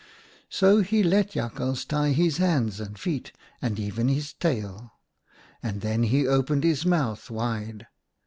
So he let Jakhals tie his hands and feet, and even his tail, and then he opened his mouth wide.